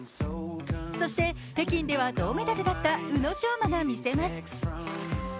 そして、北京では銅メダルだった宇野昌磨が見せます。